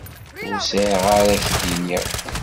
Ur sεiɣ ara k-d-iniɣ.